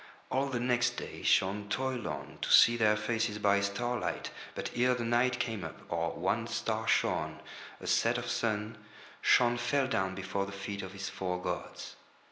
All the next day Shaun toiled on to see Their faces by starlight, but ere the night came up or one star shone, at set of sun, Shaun fell down before the feet of his four gods.